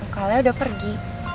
kalanya udah pergi